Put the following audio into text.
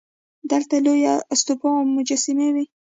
دلته لویه استوپا او مجسمې وې